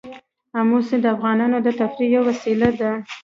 آمو سیند د افغانانو د تفریح یوه وسیله ده.